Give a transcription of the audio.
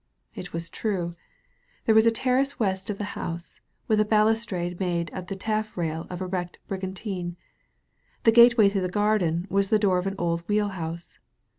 It was true. There was a terrace west of the house, with a balustrade made of the taffrail of a wrecked brigantine. The gateway to the garden was the door of an old wheel house.